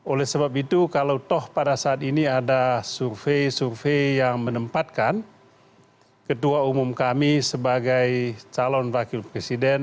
oleh sebab itu kalau toh pada saat ini ada survei survei yang menempatkan ketua umum kami sebagai calon wakil presiden